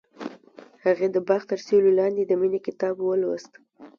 هغې د باغ تر سیوري لاندې د مینې کتاب ولوست.